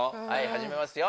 始めますよ。